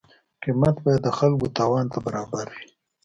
قیمت باید د خلکو توان ته برابر وي.